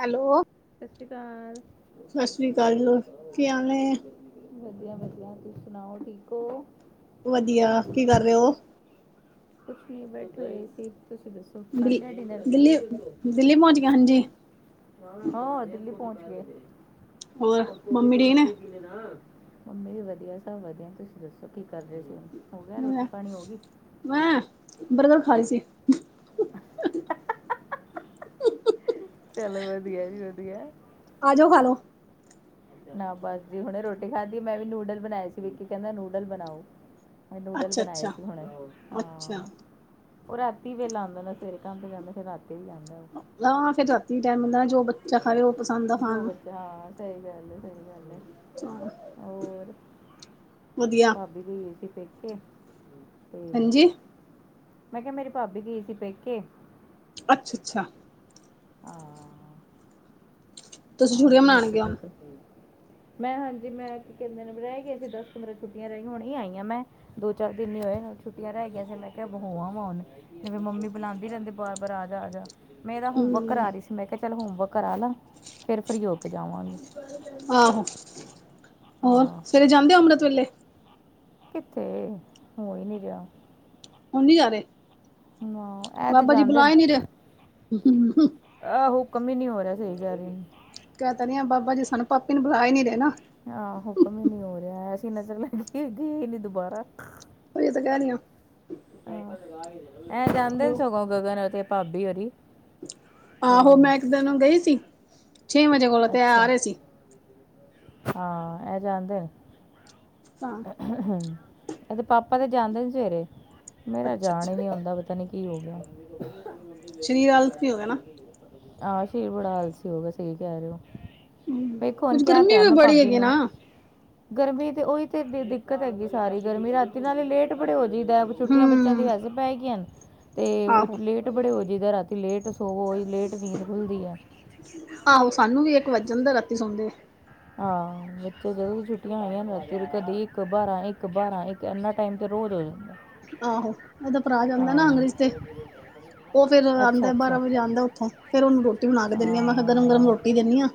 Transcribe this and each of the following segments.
Hello. ਸਤਿ ਸ਼੍ਰੀ ਅਕਾਲ। ਸਤਿ ਸ੍ਰੀ ਅਕਾਲ ਜੀ ਕੀ ਹਾਲ ਨੇ ਵਧੀਆ-ਵਧੀਆ ਤੁਸੀਂ ਸੁਣਾਓ ਠੀਕ ਹੋ। ਵਧੀਆ ਕੀ ਕਰ ਰਹੇ ਹੋ? ਕੁਛ ਨੀ ਬੈਠ ਹੋਏ ਸੀ ਤੁਸੀਂ ਦੱਸੋ ਕਰ ਦਿੱਲੀ ਲਿਆ ਡਿਨਰ ਦਿੱਲੀ ਦਿੱਲੀ ਪਹੁੰਚ ਗਿਆ ਹਾਂਜੀ ਹਾਂ ਦਿੱਲੀ ਪਹੁੰਚ ਗਿਆ ਹੋਰ ਔਰ ਤੂੰ ਵੀ ਮੰਮੀ ਤੋ ਠੀਕ ਲਸੀ ਪੀ ਲੇ ਨਾ ਮੰਮੀ ਵੀ ਵਧੀਆ ਸਭ ਵਧੀਆ ਤੁਸੀਂ ਦੱਸੋ ਕੀ ਕਰ ਰਏ ਸੀ ਹੋ ਗਿਆ ਰੋਟੀ ਪਾਣੀ ਹੋ ਗਈ ਮੈਂ ਬਰਗਰ ਖਾ ਰਈ ਸੀ ਚਲੋ ਵਧੀਆ ਜੀ ਵਧੀਆ ਆ ਜਾਓ ਖਾ ਲੋ ਨਾ ਬਸ ਜੀ ਹੁਣੇ ਰੋਟੀ ਖਾਧੀ ਮੈਂ ਵੀ ਨੂਡਲ ਬਣਾਏ ਸੀ ਵਿਕੀ ਕਹਿੰਦਾ ਨੂਡਲ ਬਣਾਓ ਨੂਡਲ ਅੱਛਾ ਬਣਾਏ ਅੱਛਾ ਸੀ ਹੁਣੇ ਅੱਛਾ ਹਾਂ ਉਹ ਰਾਤੀ ਵੇਲਾ ਹੁੰਦਾ ਸਵੇਰੇ ਕੰਮ ਤੇ ਜਾਂਦਾ ਫਿਰ ਰਾਤੀ ਵੀ ਲਿਆਂਦਾ ਹਾਂ ਫੇਰ ਰਾਤੀ ਟਾਈਮ ਹੁੰਦਾ ਜੋ ਖਾਵੇ ਉਹ ਪਸੰਦ ਆ ਖਾਣ ਜੋ ਬੱਚਾ ਹਾਂ ਸਈ ਗੱਲ ਏ ਸਈ ਗੱਲ ਏ ਨੂੰ ਹੋਰ? ਵਧੀਆ ਭਾਬੀ ਗਈ ਹੋ ਸੀ ਪੇਕੇ ਤੇ ਹਾਂਜੀ? ਮੈਂ ਕੇਆ ਮੇਰੀ ਭਾਬੀ ਗਈ ਸੀ ਪੇਕੇ ਅੱਛਾ ਛਾ ਹਾ ਤੁਸੀਂ ਛੁਟੀਆਂ ਮਨਾਣ ਗੇਆ? ਮੈਂ ਹਾਂਜੀ ਮੈਂ ਕੀ ਕੈਦੇ ਨੇ ਰੈ ਕੇ ਆਈ ਸੀ ਦਸ-ਪੰਦਰਾਂ ਛੁੱਟੀਆਂ ਰੈ ਹੋਣ ਆਈਆਂ ਮੈਂ ਦੋ-ਚਾਰ ਦਿਨ ਨ ਹੋਏ ਛੁੱਟ ਰੈ ਗੀਆ ਸੀ ਮੈਂ ਕੇਆ ਹੋ ੲਵਾਂ ਹੁੰਨ ਤੇ ਫੇਰ ਮੰਮੀ ਬੁਲਾਂਦੀ ਰੈਂਦੇ ਬਾਰ-ਬਾਰ ਆ ਜਾ ਆ ਜਾ ਮੈਂ ਏਰਾ ਹੋਮਵਰਕ ਹਮ ਕਰਾ ਰੀ ਸੀ ਮੈਂ ਕੇਆ ਚੱਲ ਹੋਮ ਵਰਕ ਕਰਾ ਲਾ ਫੇਰ ਫਰੀ ਜੋ ਕੇ ਜਾਵਾਂਗੀ। ਆਹੋ ਹੋਰ ਹਾਂ ਸਵੇਰੇ ਜਾਂਦੇ ਓ ਅੰਮ੍ਰਤ ਵੇਲੇ ਕਿੱਥੇ ਹੋ ਈ ਨੀਂ ਰੇਆ ਹੁਨ ਨੀ ਜਾ ਰਏ, ਨਾ ਇਹ ਤੇ ਬਾਬਾ ਜੀ ਜਾਂਦੇ ਬੁਲਾ ਈ ਨੀ ਰੇਆ। ਆ ਹੁਕਮ ਈ ਨੀ ਹੋ ਰੇਆ ਸਈ ਗ ਕੈ ਤਾਂ ਨੀ ਬਾਬਾ ਜੀ ਸਾਨੂੰ ਪਾਪੀ ਨੂੰ ਬੁਲਾ ਈ ਨੀ ਰੇਣਾ। ਆਹੋ ਹੁਕਮ ਈ ਨੀ ਹੋ ਰੇਆ ਐਸੀਂ ਨਜਰ ਲਗੀ ਹੈਗੀ ਏ ਗੇ ਈ ਨੀ ਦੁਬਾਰਾ। ਓਈ ਤਾਂ ਕੈ ਰੀ ਆ। ਐਂ ਜਾਂਦੇ ਨੇ ਸਗੋਂ ਗਗਨ ਅਤੇ ਭਾਬੀ ਹੋਰੀ। ਤੇ ਆਹੋ ਮੈਂ ਏਕ ਦਿਨ ਗਈ ਸੀ, ਛੇ ਵਜੇਂ ਕੋਲ ਤੇ ਆ ਅੱਛਾ ਰੇ ਸੀ। ਹਾਂ ਐ ਜਾਦੇ ਨੇ। [unintelligible] ਐਦੇ ਤੇ ਪਾਪਾ ਤੇ ਜਾਂਦੇ ਨੇ ਸਵੇਰੇ, ਮੇਰਾ ਅੱਛਾ ਜਾਣ ਹੀ ਅੱਛਾ ਨੀ ਹੁੰਦਾ ਪਤਾ ਨੀ ਕੀ ਹੋ ਗੇਆ ਸਰੀਰ ਆਲਸ ਵੀ ਹੋ ਗਿਆ ਨਾ ਆ ਸ਼ੀਰ ਬੜਾ ਆਲਸੀ ਹੋ ਗੇਆ ਸਈ ਗਲ ਐ, ਹਮ ਵੇਖੋ ਹੁੰਣ ਕੁਝ ਕੇਆ ਗਰਮੀ ਤੈ ਵੀ ਮੈਂ ਬੜੀ ਭਾਬੀ ਹੈਗੀ ਨਾ ਨੂੰ ਗਰਮੀ ਤੇ ਓਈ ਤੇ ਦਿੱਕਤ ਹੈਗੀ ਸਾਰੀ ਗਰਮੀ ਰਾਤੀ ਨਾਲ ਏ ਲੇ ਟ ਬੜੇ ਹੋ ਜਾਈਦਾ ਛੁੱਟੀਆਂ ਬੱਚਿਆਂ ਦੀ ਹਮ ਵੈਸੇ ਪੈ ਗਈਆਂ ਨੇ ਤੇ ਓ ਆਹੋ ਲੇਟ ਟ ਬੜੇ ਹੋ ਜਿਦਾਂ ਰਾਤੀ ਲੇਟ ਸੋਵੋ ਈ ਲੇਟ ਨੀਦਂ ਖੁਲਦੀ ਐ। ਆਹੋ ਸਾਨੂੰ ਵੀ ਏਕ ਵੱਜ ਜਾਦਾ ਰਾਤੀ ਸੋਣਦੇ ਆ ਵੀਚੋਂ ਜਦੋਂ ਵੀ ਛੁੱਟੀਆਂ ਹੋਈਆਂ ਕਦੇ ਏਕ ਬਾਰਾਂ ਏਕ ਬਾਰਾਂ ਏ ਤੇ ਏਨਾ ਟੈਮ ਤੇ ਰੋਜ਼ ਹੋ ਜਾਂਦਾ। ਆਹੋ ਏਦਾ ਪਰਾ ਜਾਂਦਾ ਨਾ ਹਾਂ ਹੰਗਰੀਜ਼ ਤੇ ਓ ਫੇਰ ਅੱਛਾ ਆਂਦਾ ਅੱਛਾ ਬਾਰਾਂ ਵਜੇ ਆਂਦਾ ਓਥੋ ਫੇਰ ਓਨੂੰ ਰੋਟੀ ਬਨਾ ਕੇ ਦੇਂਨੀ ਆ ਮੈਂ ਹਾ ਗਰਮ-ਗਰਮ ਰੋਟੀ ਦੇਂਨੀ ਆ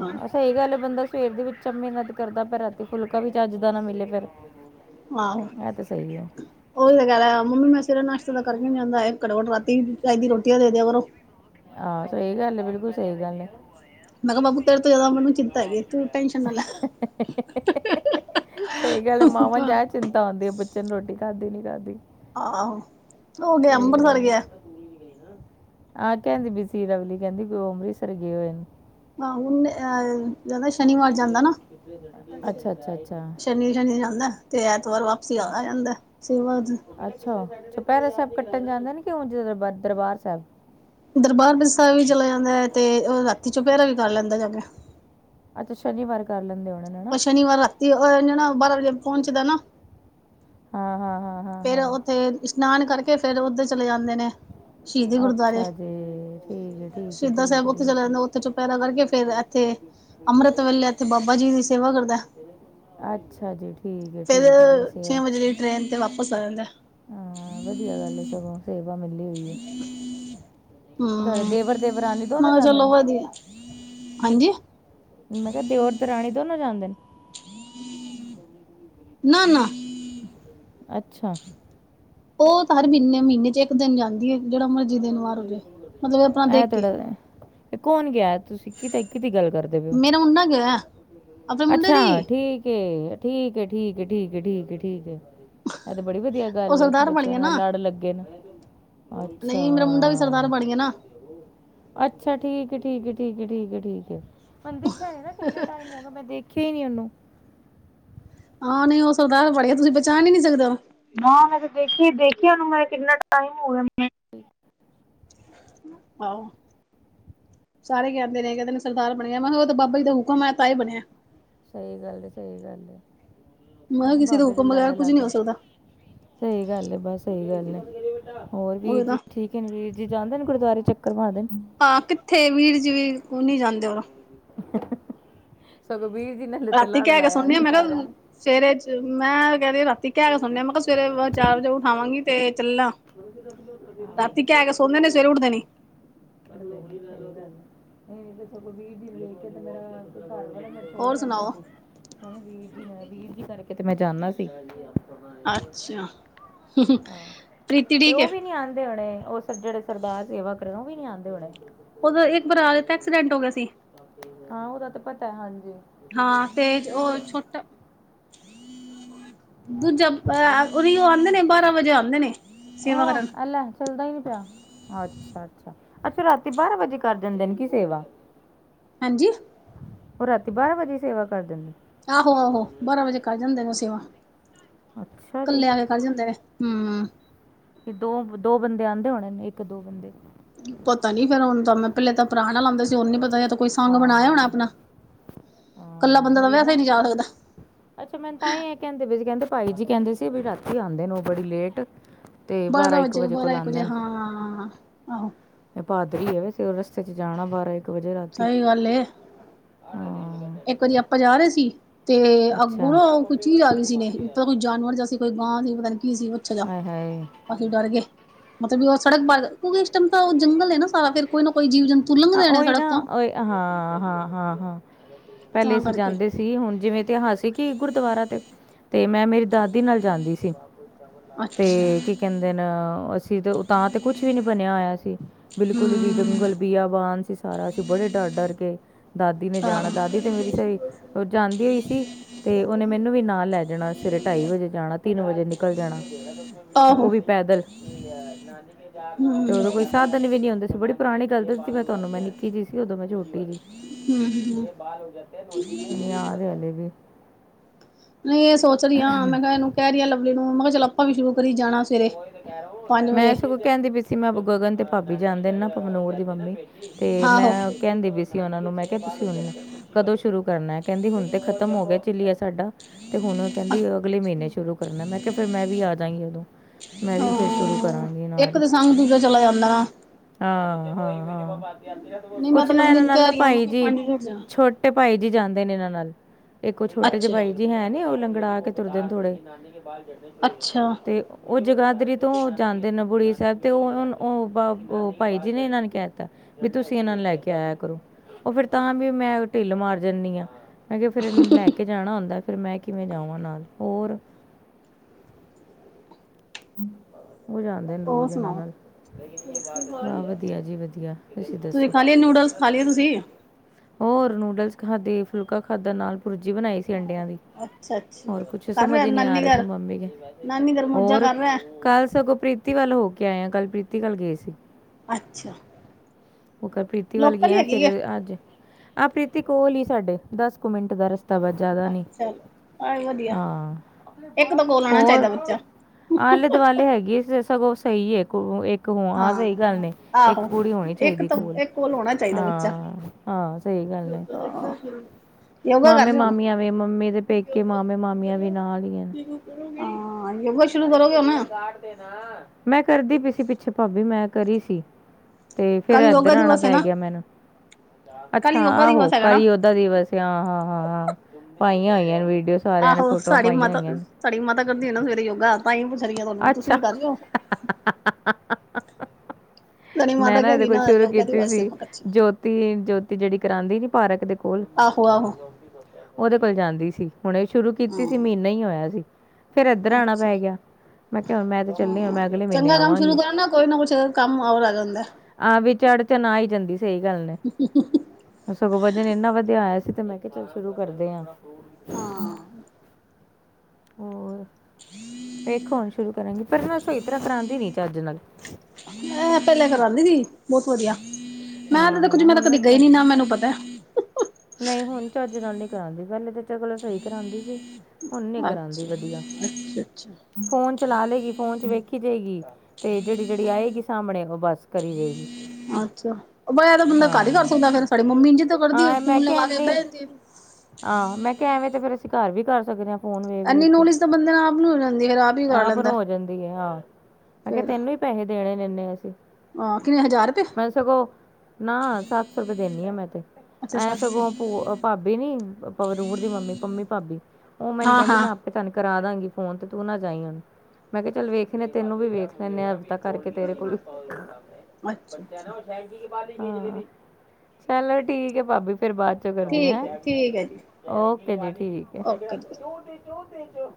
ਹਾਂ ਸਈ ਗੱਲ ਏ ਬੰਦਾ ਸਵੇਰ ਦੇ ਵਿੱਚ ਐਮੀ ਮੈਨਤ ਕਰਦਾ ਪੇਆ ਰਾਤੀ ਫੁਲਕਾ ਵੀ ਚਜ ਦਾ ਨਾ ਮਿਲੇ ਫੇਰ ਆਹੋ ਓ ਤਾਂ ਕੈਲਾ ਮੰਮੀ ਮੈਂ ਸਵੇਰੇ ਨਾਸ਼ਤਾ ਤਾਂ ਕਰਕੇ ਨੀ ਜਾਂਦਾ ਘਟੋ ਘੱਟੀ ਰਾਤੀ ਚਜ ਦੀ ਰੋਟੀ ਦਾ ਦੇ ਦੇਆ ਕਰੋ। ਆ ਸਈ ਗੱਲ ਐ ਬੇਲਕੁਲ ਸਈ ਗੱਲ ਐ। ਮੈਂ ਕੇਆ ਮਾਮੂ ਤੇਰੇ ਤੋਂ ਹੈਗਾ ਮੈਨੋ ਚ ਹੈਗੀ ਤੂੰ ਟੈਨਸ਼ਨ ਨਾਂ ਲੈ ਸਹੀ ਗੱਲ ਹੈ ਮਾਵਾਂ ਜਾ ਚਿੰਤਾ ਔਦੀ ਐ ਬੱਚੇ ਨੂੰ ਰੋਟੀ ਖਾਧੀ ਨੀ ਖਾਧੀ ਆਂਹੋ। ਸਹੀ ਗੱਲ ਹੈ। ਆਹ, ਕਹਿੰਦੀ ਪਈ ਸੀ, ਲਵਲੀ ਕਹਿੰਦੀ ਉਹ ਅੰਮ੍ਰਿਤਸਰ ਗਏ ਹੋਏ ਨੇ। ਹਾਂ, ਉਨੇ ਅ। ਕਿਲੇ- ਕਿਲੇ ਝੰੇ। ਸ਼ਨੀ -ਸ਼ਨੀ ਜਾਂਦਾ, ਤੇ ਐਤਵਾਰ ਵਾਪਸੀ ਆ ਜਾਂਦਾ ਸੇਵਾਦ। ਅੱਛਾ, ਚੂਪੈਰਾ ਸਾਹਿਬ ਕੱਟਣ ਜਾਂਦਾ ਨੇ, ਕਿਉਂ ਉਂਝ ਦਰਬਾਰ ਸਾਹਿਬ। ਦਰਬਾਰ ਵਿੱਚ ਸਹਿਬ ਵੀ ਚਲਾ ਜਾਂਦਾ ਹੈ, ਤੇ ਉਹ ਰਾਤੀ ਚੋਂ ਪਹਿਰਾ ਵੀ ਕਰ ਲੈਂਦਾ ਜਾਕੇ। ਅੱਛਾ, ਸ਼ਨੀਵਾਰ ਕਰ ਲੈਂਦੇ ਹੋ। ਪਰ ਸ਼ਨੀਵਾਰ ਰਾਤੀ ਉਹ ਇੰਜ ਨਾਂ, ਬਾਰਾਂ ਵਜੇ ਪਹੁੰਚਦਾ ਨਾ ਹਾਂ-ਹਾਂ, ਹਾਂ। ਫਿਰ ਹਾਂ ਉੱਥੇ ਇਸ਼ਨਾਨ ਕਰਕੇ, ਫਿਰ ਓਧਰ ਚਲੇ ਜਾਂਦੇ ਨੇ। ਸ਼ਹੀਦੀ ਗੁਰਦੁਆਰੇ ਅੱਛਾ ਜੀ, ਠੀਕ ਹੈ, ਠੀਕ ਹੈ, ਸ਼ਹੀਦਾਂ ਠੀਕ ਸਾਹਿਬ ਹੈ, ਉੱਥੇ ਚਲਾ ਜਾਂਦਾ ਠੀਕ। ਉੱਥੇ ਚੁਪਹਿਰਾ ਕਰਕੇ ਫੇਰ ਇੱਥੇ ਅੰਮ੍ਰਿਤ ਵੇਲੇ ਇੱਥੇ ਬਾਬਾ ਜੀ ਦੀ ਸੇਵਾ ਕਰਦਾ। ਅੱਛਾ ਜੀ, ਠੀਕ ਹੈ, ਫੇਰ ਠੀਕ ਹੈ। [unintelligible] ਛੇ ਵਜੇ ਲਈ ਟ੍ਰੇਨ ਤੇ ਵਾਪਸ ਆ ਜਾਂਦਾ। ਹਾਂ, ਵਧੀਆ ਗੱਲ ਸਗੋਂ, ਸੇਵਾ ਮਿਲੀ ਹੋਈ ਹੈ। ਤੁਹਾਡੇ ਹੂੰ, ਦੇਵਰ-ਦੇਵਰਾਨੀ ਦੋਨੋ ਮੈਂ ਕਿਹਾ ਜਾਂਦੇ ਚਲੋ ਨੇ, ਵਧੀਆ ਹਾਂਜੀ [unintelligible] ਮੈਂ ਕਿਹਾ, ਦਿਓਰ-ਦੇਵਰਾਨੀ ਰਾਣੀ ਦੋਨੋ ਜਾਂਦੇ ਨੇ। ਹਮ [unintelligible] ਨਾ-ਨਾ। [unintelligible] ਅੱਛਾ। [unintelligible] ਉਹ ਤਾਂ ਹਰ ਮਹੀਨੇ-ਮਹੀਨੇ ਚ ਇਕ ਦਿਨ ਜਾਂਦੀ ਹੈ। ਜਿਹੜਾ ਮਰਜ਼ੀ ਦੇਨਵਾਰ ਹੋਵੇ, ਜ ਮਤਲਬ ਇਹ ਆਪਣਾ ਦੇਖ ਕੇ। ਇਹ ਕੌਣ ਗਿਆ, ਤੁਸੀਂ ਕਿਦੀ-ਕਿਦੀ ਗੱਲ ਕਰਦੇ ਪੇ ਹੋ? ਮੇਰਾ ਮੁੰਡਾ ਗਿਆ ਆਪਣੇ ਮੁੰਡੇ ਅੱਛਾ, ਦੀ ਠੀਕ ਹੈ, ਠੀਕ ਹੈ, ਠੀਕ ਹੈ, ਠੀਕ ਹੈ, ਠੀਕ ਹੈ, ਠੀਕ ਹੈ। ਇਹ ਤੇ ਬੜੀ ਵਧੀਆ ਉਹ ਗੱਲ ਏ, ਸਰਦਾਰ ਬਣ ਬੱਚਿਆਂ ਗਿਆ ਨੂੰ ਨਾ ਲੜ ਲੱਗੇ ਨੇ। ਨਹੀਂ ਮੇਰਾ ਮੁੰਡਾ ਵੀ ਸਰਦਾਰ ਅੱਛਾ ਬੰਗਿਆ ਨਾ। ਅੱਛਾ, ਠੀਕ ਹੈ, ਠੀਕ ਹੈ, ਠੀਕ, ਠੀਕ, ਠੀਕ ਹੈ। ਤੁਹਾਨੂੰ ਦੇਖਿਆ ਨੂੰ ਕਿੰਨਾ ਟਾਈਮ ਹੋ ਗਿਆ, ਮੈਂ ਦੇਖਿਆ ਹੀ ਨੀ ਉਹਨੂੰ। ਹਾਂ ਨਹੀਂ ਹੋ ਸਕਦਾ, ਬੜੀਆ ਤੁਸੀਂ ਪਹਿਚਾਣ ਨੀ ਸਕਦਾ ਹੋ। ਨਾ ਮੈਂ ਤੇ ਦੇਖੀ-ਦੇਖੀ ਉਹਨੂੰ, ਮੈਂ ਕਿੰਨਾ ਟਾਈਮ ਹੋ ਗਿਆ ਮੈ। ਹਹ [unintelligible] ਸਾਰੇ ਕਹਿੰਦੇ ਨੇ ਕਹਿੰਦੇ ਨੇ, ਸਰਦਾਰ ਬਣਿਆ ਮੈਂ ਕਿਹਾ, ਉਹ ਤਾਂ ਬਾਬਾ ਜ ਦਾ ਹੁਕਮ ਹੈ, ਤਾਂ ਇਹ ਬਣਿਆ ਸਹੀ ਗੱਲ ਡ ਸਹੀ ਗੱਲ [unintelligible] ਮੈਂ ਕਿ, ਹਾ ਹੈਂ, ਕਿਸੇ ਦਾ ਬਾਬੇ ਦੇ ਹੁਕਮ ਲੜ ਵਗੈਰਾ ਕੁੱਝ ਲੱਗ ਨਹੀਂ ਗਏ। ਹੋ ਸਕਦਾ। ਸਹੀ ਗੱਲ ਹੈ, ਬਸ ਹੋ ਜਾਂਦੇ ਨੇ, ਹੋਰ ਉਹੀ ਵੀਰ ਜੀ ਤਾਂ ਠੀਕ। ਵੀਰ ਜੀ ਜਾਂਦੇ ਨੇ, ਗੁਰਦੁਆਰੇ ਚੱਕਰ ਮਾਰਦੇ ਨੇ। ਹਾਂ, ਕਿੱਥੇ ਵੀਰ ਜੀ, ਵੀਰ ਜੀ ਨੀ ਜਾਂਦੇ ਹੁਣ। ਸੁਖਬੀਰ ਜੀ ਨੇ ਲੇ ਤੇ ਰਾਤੀ ਲਾੜ ਕਹਿ ਕੇ ਲਾਇਆ ਸੁਣਨੀ ਆ ਸੀ, ਮੈਂ ਸਾਰਿਆਂ ਕਿਹਾ ਨੂੰ। ਸਵੇਰੇ ਚ ਮੈਂ ਕਹਿਦੀ, ਰਾਤੀ ਕਹਿ ਕੇ ਸੋਨੀ ਆ, ਮੈਂ ਕਿਹਾ ਸਵੇਰੇ ਚਾਰ ਵਜੇ ਉਠਾਵਾਂਗੀ ਤੇ ਚੱਲਨਾ। ਰਾਤੀ ਕਹਿ ਕੇ ਸੋਦੇ ਨੇ, ਸਵੇਰੇ ਉੱਠਦੇ ਨੀ। ਸ ਬੀ ਕੇ [unintelligible] ਸਦੇ ਹੋਰ ਸੁਣਾਓ ਸੀ ਹਣ ਵੀਰ ਜੀ ਵੀਰ ਜੀ ਕਰਕੇ ਤੇ ਮੈਂ ਜਾਦਾ ਸੀ। ਅੱਛਾ। ਹਾਂ ਪ੍ਰੀਤੀ ਤੇ ਠੀਕ ਹੈ ਉਹ ਵੀ ਨੀ ਆਂਦੇ ਹੋਣੇ ਉਹ ਜਿਹੜੇ ਸਰਦਾਰ ਸੇਵਾ ਕਰਨ ਉਹ ਵੀ ਨੀ ਆਂਦੇ ਹੋਣੇ ਉਦੋਂ ਇੱਕ ਭਰਾ ਦਾ ਤੇ ਐਕਸੀਡੈਂਟ ਹੋ ਗਿਆ ਸੀ ਹਾਂ ਉਹਦਾ ਤੇ ਪਤਾ ਹਾਂਜੀ ਹਾਂ ਤੇ ਉਹ ਛੋਟਾ ਦੂਜਾ ਉਹ ਆਂਦੇ ਨੇ ਬਾਰਾਂ ਵਜੇ ਆਂਦੇ ਨੇ ਸੇਵਾ ਉਹ ਕਰਨ ਐ ਲੈ ਚੱਲਦਾ ਹੀ ਨਹੀਂ ਪਿਆ ਅੱਛਾ ਅੱਛਾ ਅੱਛਾ ਰਾਤੀ ਬਾਰਾਂ ਵਜੇ ਕਰ ਦਿੰਦੇ ਨੇ ਕੀ ਸੇਵਾ ਹਾਂਜੀ ਉਹ ਰਾਤੀ ਬਾਰਾਂ ਵਜੇ ਸੇਵਾ ਕਰ ਦੇ ਆਹੋ ਆਹੋ ਬਾਰਾਂ ਵਜੇ ਕਰ ਜਾਂਦੇ ਨੇ ਸੇਵਾ ਅੱਛਾ ਜੀ ਕੱਲੇ ਕਰ ਜਾਂਦੇ ਹੂੰ ਦੋ ਦੋ ਬੰਦੇ ਆਂਦੇ ਹੋਣੇ ਨੇ ਇੱਕ ਦੋ ਬੰਦੇ ਪਤਾ ਨੀ ਫੇਰ ਹੁਨ ਤਾਂ ਮੈਂ ਪੈਲੇ ਤਾਂ ਭਰਾ ਨਾਲ ਆਂਦੇ ਸੀ, ਹੁਨ ਨੀ ਪਤਾ ਯਾਂਤਾ ਕੋਈ ਸੰਗ ਬਣਾਇਆ ਹੋਣਾ ਹਾਂ ਆਪਣਾ ਕੱਲਾ ਹਾਂ ਬੰਦਾ ਤਾਂ ਹੋਈ ਵੈਸੇ ਹੀ ਨਾ ਨਹੀਂ ਜਾ ਸਕਦਾ ਅੱਛਾ ਮੈਂ ਤਾਂ ਹੀ ਇਹ ਕਹਿੰਦੇ ਪਏ ਸੀ ਕਹਿੰਦੇ ਭਾਈ ਜੀ ਕਹਿੰਦੇ ਸੀ ਵੀ ਰਾਤੀ ਆਂਦੇ ਨੇ ਉਹ ਬੜੀ ਲੇਟ ਤੇ ਬਾਰਾਂ ਵਜੇ ਬਾਰਾਂ ਇੱਕ ਵਜੇ ਹਾਂ ਬਾ ਦਰੀ ਏ ਵੈਸੇ ਫਿਰ ਰਸਤੇ ਚ ਜਾਨਾ ਬਾਰਾਂ ਇੱਕ ਵਜੇ ਰਾਤੀ ਸਹੀ ਗੱਲ ਏ ਹਾਂ, ਇੱਕ ਵਜੇ ਆਪਾਂ ਜਾ ਰਹੇ ਸੀ ਤੇ ਅੱਛਾ ਅੱਗੋਂ ਨਾ ਕੋਈ ਚੀਜ਼ ਆ ਗਈ ਸੀ ਨੇ ਜਿਦਾ ਕੋਈ ਜਾਨਵਰ ਜਾਂ ਸੀ ਕੋਈ ਗਾਂ ਸੀ ਪਤਾ ਨੀ ਕੀ ਸੀ ਬੱਛਾ ਜਿਹਾ ਹਾਏ ਹਾਏ ਅਸੀਂ ਡਰ ਗਏ ਮਤਲਬ ਵੀ ਉਹ ਸੜਕ ਉਸ ਟਾਈਮ ਤਾਂ ਉਹ ਜੰਗਲ ਹੈ ਨਾ ਸਾਰਾ ਫੇਰ ਕੋਈ ਨਾ ਕੋਈ ਜੀਵ ਜੰਤੂ ਹਾਂ ਲੰਘਦੇ ਹੋਣੇ ਉਹੀ ਸੜਕ ਨਾ ਤੋਂ ਓਏ ਹਾਂ ਹਾਂ ਹਾਂ ਹਾਂ ਪੈਲੇ ਤਾਂ ਅਸੀਂ ਕਰਕੇ ਜਾਂਦੇ ਸੀ ਸੀ ਹੁਣ ਜਿਵੇਂ ਇਤਹਾਸਿਕ ਸੀ ਕਿ ਗੁਰਦੁਆਰਾ ਤੇ ਤੇ ਮੈਂ ਮੇਰੀ ਦਾਦੀ ਨਾਲ ਜਾਂਦੀ ਸੀ ਅੱਛਾ ਤੇ ਕੀ ਕਹਿੰਦੇ ਨੇ ਸੀ ਤੇ ਉਹ ਤਾਂ ਤੇ ਕੁਛ ਵੀ ਨੀ ਬਣਿਆ ਹੋਇਆ ਸੀ ਬਿਲਕੁਲ ਵੀ ਹੂੰ ਜੰਗਲ ਬੀਆ ਬਾਨ ਸੀ ਸਾਰਾ ਅਸੀ ਬੜੇ ਡਰ ਡਰ ਕੇ ਦਾਦੀ ਨੇ ਜਾਣਾ ਆਹੋ ਦਾਦੀ ਤੇ ਮੇਰੀ ਸਰੀ ਜਾਂਦੀ ਹੋਈ ਸੀ ਤੇ ਉਹਨੇ ਮੈਨੂੰ ਵੀ ਨਾਲ ਲੈ ਜਾਣਾ ਸਵੇਰੇ ਢਾਈ ਵਜੇ ਜਾਣਾ ਤਿੰਨ ਵਜੇ ਨਿਕਲ ਜਾਣਾ ਆਹੋ ਉਹ ਵੀ ਪੈਦਲ ਹੂੰ ਤੇ ਉਦੋਂ ਕੋਈ ਹੂੰ ਸਾਧਨ ਵੀ ਨੀ ਹੁੰਦੇ ਸੀ ਬੜੀ ਪੁਰਾਣੀ ਗੱਲ ਦੱਸਦੀ ਮੈਂ ਤੁਹਾਨੂੰ ਮੈਂ ਨਿੱਕੀ ਜਹੀ ਸੀ ਉਦੋਂ ਮੈਂ ਹੂੰ। ਨੀ ਯਾਦ ਏ ਹਲੇ ਵੀ ਨਹੀਂ ਇਹ ਸੋਚ ਰਹੀ ਆ ਮੈਂ ਕਿਹਾ ਇਹਨੂੰ ਕਹਿ ਰਹੀ ਆ ਲਵਲੀ ਨੂੰ ਮੈਂ ਕਿਹਾ ਚਲ ਆਪਾਂ ਵੀ ਸ਼ੁਰੂ ਕਰੀ ਜਾ ਮੈਂ ਸਗੋਂ ਕਹਿੰਦੀ ਪੀ ਸੀ ਮੈਂ ਗਗਨ ਤੇ ਭਾਬੀ ਜਾਣਦੇ ਨਾ ਪਵਨੂਰ ਦੀ ਮੰਮੀ ਤੇ ਮੈਂ ਆਹੋ ਕੈਹਂਦੀ ਪਈ ਸੀ ਉਹਨਾਂ ਨੂੰ ਮੈਂ ਕਿਹਾ ਤੁਸੀਂ ਉਹ ਕਦੋਂ ਸ਼ੁਰੂ ਕਰਨਾ ਹੈ ਕਹਿੰਦੀ ਹੁਣ ਤੇ ਖ਼ਤਮ ਹੋ ਗਿਆ ਚਿੱਲੀਆ ਸਾਡਾ ਤੇ ਹੁਣ ਹਾਂ ਕਹਿੰਦੀ ਅਗਲੇ ਮਹੀਨੇ ਸ਼ੁਰੂ ਕਰਨਾ ਮੈਂ ਕਿਹਾ ਫਿਰ ਮੈਂ ਵੀ ਆ ਜਾਂਗੀ ਮੈਂ ਵੀ ਫਿਰ ਸ਼ੁਰੂ ਕਰਾਂਗੀ ਇੱਕ ਨਾਲ ਦੇ ਸੰਗ ਦੂਜਾ ਚਲਾ ਜਾਂਦਾ ਨਾ ਆਹ ਨਹੀਂ ਮੈਂ ਕੁਛ ਤਾਂ ਨਾ ਲਵਲੀ ਇਹਨਾਂ ਨੂੰ ਨਾਲ ਕਹਿ ਨਾ ਰਹੀ ਹਾਂ ਮੈਂ ਭਾਈ ਕਿਹਾ ਜੀ ਪੰਜ ਵਜੇ ਉੱਠ ਜਾਣਾ ਛੋ ਛੋਟੇ ਭਾਈ ਜੀ ਜਾਂਦੇ ਨੇ ਇਹਨਾਂ ਨਾਲ ਇੱਕ ਉਹ ਛੋਟੇ ਅੱਛਾ ਜਿਹੇ ਭ ਜੇ ਹੈ ਨੀ ਉਹ ਲੰਗੜਾ ਆ ਕੇ ਤੁਰਦੇ ਨੇ ਥੋੜੇ ਅੱਛਾ ਉਹ ਜਗਾਦਰੀ ਤੋਂ ਜਾਂਦੇ ਨੇ ਬੁੜੀ ਸਾਹਿਬ ਤੇ ਉਹ ਉਹ ਭਾਈ ਜੀ ਨੇ ਇਹਨਾਂ ਨੇ ਕਹਿ ਦਿੱਤਾ ਵੀ ਤੁਸੀਂ ਇਹਨਾਂ ਨੂੰ ਲੈ ਕੇ ਆਇਆ ਕਰੋ ਉਹ ਫੇਰ ਤਾਂ ਵੀ ਮੈਂ ਢਿੱਲ ਮਾਰ ਜਾਂਦੀ ਆ ਮੈਂ ਕਿਹਾ ਫਿਰ ਲੈ ਕੇ ਜਾਣਾ ਹੁੰਦਾ ਫਿਰ ਮੈਂ ਕਿਵੇਂ ਜਾਵਾਂ ਨਾਲ ਹੋਰ ਉਹ ਜਾਂਦੇ ਨੇ ਹੋਰ ਰੋਜ ਇਹਨਾਂ ਸੁਣਾਓ ਨਾਲ ਰੋਟੀ ਖਾ ਆਹ ਲਈ? ਵਧੀਆ ਜੀ ਵਧੀਆ ਤੁਸੀਂ ਦੱਸੋ ਖਾ ਲਈਏ ਨੂਡਲਸ ਖਾ ਲਈਏ ਤੁਸੀਂ ਹੋਰ ਨੂਡਲਸ ਖਾਧੇ ਫੁਲਕਾ ਖਾਧਾ ਪੁਰਜੀ ਬਣਾਈ ਸੀ ਅੰਡਿਆਂ ਦੀ ਅੱਛਾ ਅੱਛਾ ਹੋਰ ਕੁਛ ਕਰ ਸਮਝ ਰਿਹਾ ਨੀ ਆ ਨਾਨੀ ਰਹੇ ਸੀ ਘਰ ਮੰਮੀ ਕੇ ਨਾਨੀ ਘਰ ਮੌਜਾਂ ਹੋਰ ਕਰ ਰਿਹਾ ਕੱਲ ਸਗੋਂ ਪ੍ਰੀਤੀ ਵੱਲ ਹੋ ਕੇ ਆਏਆ ਕੱਲ ਪ੍ਰੀਤੀ ਵੱਲ ਗਏ ਸੀ। ਅੱਛਾ ਉਹ ਕਲ ਪ੍ਰੀਤੀ ਵੱਲ ਲੋਕਲ ਹੀ ਗਿਆ ਫਿਰ ਹੈਗੀ ਆ ਅੱਜ ਆਹ ਪ੍ਰੀਤੀ ਕੋਲ ਹੀ ਸਾਡੇ ਦਸ ਕੁ ਮਿੰਟ ਦਾ ਰਸਤਾ ਵ ਜਾਦਾ ਨੀ ਚਲੋ ਆਹ ਵਧੀਆ ਹਾਂ ਇੱਕ ਤਾਂ ਕੋਲ ਆਉਣਾ ਹੋਰ ਚਾਹੀਦਾ ਬੱਚਾ ਆਲੇ ਦੁਆਲੇ ਹੈਗੀ ਸਗੋਂ ਸਹੀ ਐ ਕੋ ਇ ਹਾਂ ਸਹੀ ਗੱਲ ਨੇ ਇੱਕ ਕੁੜੀ ਹੋਣੀ ਇੱਕ ਚਾਹੀਦੀ ਤੋਂ ਕੋਲ ਇੱਕ ਹੋਣਾ ਚਾਹੀਦਾ ਬੱਚਾ ਹਾਂ। ਹਾਂ ਸਹੀ ਗੱਲ ਏ। ਯੋਗਾ ਕਰ ਰਹੇ ਹੁਣ ਮਾਮੇ-ਮਾਮੀਆਂ ਵੀ ਮੰ ਦੇ ਪੇਕੇ, ਮਾਮੇ- ਮਾਮੀਆਂ ਵੀ ਨਾਲ ਹੀ ਐਨ। ਹਾਂ ਸ਼ੁਰੂ ਕਰੋਗੇ ਹੁਣ ਮੈਂ ਕਰਦੀ ਪਈ ਸੀ ਪਿੱਛੇ ਭਾਬੀ ਮੈਂ ਘਰ ਹੀ ਸੀ। ਤੇ ਫਿਰ ਕੱਲ ਇਧਰ ਯੋਗਾ ਆਉਣਾ ਦਿਵਸ ਹੈ ਪੈ ਨਾ ਗਿਆ ਮੈਨੂੰ ਕੱਲ ਅੱਛਾ, ਯੋਗਾ ਆਹੋ ਦਿਵਸ ਹੈਗਾ ਨਾ ਕਈ ਓ ਦਿਵਸ ਹਾਂ-ਹਾਂ ਹਾਂ-ਹਾਂ ਪਾਈਆਂ ਹੋਈਆਂ ਵੀਡੀਓਸ। ਆਹੋ ਸਾਡੀ ਮਾਤਾ ਸਾਡੀ ਮਾਤਾ ਕਰਦੀ ਨਾ ਸਵੇਰੇ ਯੋਗਾ ਤਾਂ ਹੀ ਪੁੱਛ ਰਹੀ ਹਾਂ ਤੁਹਾਨੂੰ ਤੁਸੀਂ ਅੱਛਾ ਵੀ ਕਰ ਰਹੇ ਹੋ। ਸਾਡੀ ਮੈਂ ਮਾਤਾ ਨਾ ਕਹਿ ਇਹਦੇ ਰਹੀ ਕੋਲ ਸ਼ੁਰੂ ਯੋਗਾ ਕੀਤੀ ਦਿਵਸ ਏ, ਸੀ ਮੈਂ ਕਿਹਾ ਅੱਛਾ ਜੋਤ ਤੀ ਜੋਤੀ ਜਿਹੜੀ ਕਰਾਉਂਦੀ ਨੀ ਪਾਰਕ ਦੇ ਕੋਲ ਆਹੋ ਆਹੋ ਉਹਦੇ ਕੋਲ ਜਾਂਦੀ ਸੀ। ਹੁਣੇ ਹੀ ਸ਼ੁਰੂ ਕੀਤੀ ਸੀ ਹਾਂ ਮਹੀਨਾ ਹੀ ਹੋਇਆ ਸੀ। ਫੇਰ ਇੱਧਰ ਆਉਣਾ ਅੱਛਾ ਪੈ ਗਿਆ ਮੈਂ ਕਿਹਾ ਹੁਣ ਮੈਂ ਤੇ ਚੱਲੀ ਆ ਮੈਂ ਹਾਂ ਅਗਲੇ ਮਹੀਨੇ ਚੰਗਾ ਕੰਮ ਸ਼ੁਰੂ ਆਵਾਂਗੀ। ਕਰੋ ਨਾ ਕੋਈ ਨਾ ਕੁਛ ਕੰਮ ਔਰ ਆ ਜਾਂਦਾ। ਆਹ ਵਿਚ ਅੜਚਨ ਆ ਹੀ ਜਾਂਦੀ ਸਹੀ ਗੱਲ ਹੈ। ਸਗੋਂ ਵਜਨ ਇੰਨਾ ਵਧੀਆ ਆਇਆ ਸੀ ਤੇ ਮੈਂ ਕਿਹਾ ਚੱਲ ਸ਼ੁਰੂ ਕਰਦੇ ਹਾਂ। ਹਾਂ। ਹੋਰ ਦੇਖੋ ਹੁਣ ਸ਼ੁਰੂ ਕਰਾਂਗੀ ਪਰ ਨਾ ਸਹੀ ਤਰ੍ਹਾਂ ਕਰਾਉਂਦੀ ਨੀ ਚੱਜ ਨਾਲ। ਐ ਪਹਿਲੇ ਕਰਾਦੀ ਸੀ ਬਹੁਤ ਵਧੀਆ। ਮੈਂ ਤੇ ਦੇਖੋ ਜੀ ਹਾਂ ਮੈਂ ਹੁਣ ਤੇ ਕਦੇ ਗਈ ਨੀ ਨਾ ਮੈਨੂੰ ਪਤਾ। ਨਈ ਹੁਣ ਚੱਜ ਨਾਲ ਨੀ ਕਰਾਉਂਦੀ ਪਹਿਲੇ ਤਾਂ ਚਲੋ ਸਹੀ ਕਰਾਉਂਦੀ ਸੀ। ਹੁਣ ਨੀ ਕਰਾਉਂਦੀ ਅੱਛਾ ਵਧੀਆ। ਅੱਛਾ ਅੱਛਾ ਫੋਨ ਚਲਾ ਲਏਗੀ ਫੋਨ ਚ ਵੇਖੀ ਜਾਏਗੀ ਤੇ ਜਿਹੜੀ-ਜਿਹੜੀ ਆਏਗੀ ਸਾਹਮਣੇ ਉਹ ਬੱਸ ਕਰੀ ਜਾਏਗੀ। ਅੱਛਾ ਬਾ ਇਹ ਤਾਂ ਬੰਦਾ ਕਰ ਹੀ ਕਰ ਹਾਂ ਸਕਦਾ ਫੇਰ ਸਾਡੀ ਮੰਮੀ ਇੰਜ ਹੀ ਤਾਂ ਕਰਦੀ ਫੋਨ ਲਗਾ ਕੇ। ਆ ਮੈਂ ਕਿਹਾ ਐਵੇਂ ਤੇ ਫੇਰ ਅਸੀਂ ਘਰ ਵੀ ਕਰ ਸਕਦੇ ਹਾਂ। ਫੋਨ ਇੰਨੀ ਵੇਖ-ਵੇਖ ਕੇ ਨੌਲੇਜ ਤਾਂ ਬੰਦੇ ਨੂੰ ਆਪ ਨੂੰ ਹੋ ਜਾਂਦੀ ਫੇਰ ਆਪ ਹੀ ਕਰ ਆ ਲੈਂਦਾ ਪਰੋ ਹੋ ਜਾਂਦੀ ਹੈ ਆਹ ਮੈਂ ਕਿਹਾ ਫੇਰ ਤੈਨੂੰ ਹੀ ਪੈਹੈ ਦੇਣੇ ਨੇ ਇੰਨੇ ਅਸੀਂ। ਹਾਂ ਕਿੰਨੇ ਹਜ਼ਾਰ ਰੁਪਏ? ਮੈ ਸਗੋਂ ਨਾ ਸੱਤ ਸੌ ਰੁਪਏ ਦੇਨੀ ਆ ਮੈਂ ਤੇ ਅੱਛਾ ਐਂ ਸੱਠ ਸਗੋਂ ਭਾਬੀ ਨੀ ਭਵਨੂਰ ਦੀ ਮੰਮੀ ਪੰਮੀ ਭਾਬੀ ਉਹ ਮੈਨੂੰ ਹਾਂ ਕਹਿੰਦੀ ਹਾਂ ਮੈਂ ਤੁਹਾਨੂੰ ਕਰਾ ਦਾਂਗੀ ਫੋਨ ਤੇ ਤੂੰ ਨਾ ਜਾਈ ਹੁਣ ਮੈਂ ਕਿਹਾ ਚੱਲ ਵੇਖਣੇ ਤੈਨੂੰ ਵੀ ਵੇਖ ਲੈਂਨੇ ਹਾਂ ਹਫਤਾ ਕਰਕੇ ਤੇਰੇ ਕੋਲ। ਅੱਛਾ ਅੱਛਾ ਹਾਂ, ਚਲੋ ਠੀਕ ਹੈ ਭਾਬੀ ਫੇਰ ਬਾਦ ਚੋ ਕਰਦੀ ਆ ਠੀਕ ਹੈ ਠੀਕ ਜੀ ਓਕੇ ਜੀ ਠੀਕ ਓਕੇ ਜੀ ਐ।